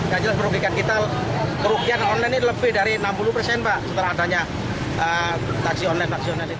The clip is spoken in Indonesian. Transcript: kita menurunkan kita kerugian online ini lebih dari enam puluh persen setelah adanya taksi online